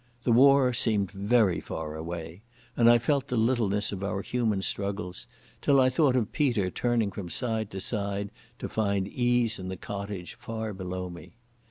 The war seemed very far away, and I felt the littleness of our human struggles, till I thought of Peter turning from side to side to find ease in the cottage far below me.